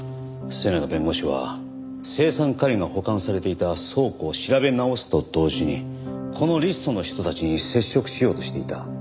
末永弁護士は青酸カリが保管されていた倉庫を調べ直すと同時にこのリストの人たちに接触しようとしていた。